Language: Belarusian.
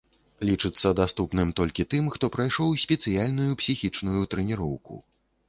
Лічыцца даступным толькі тым, хто прайшоў спецыяльную псіхічную трэніроўку.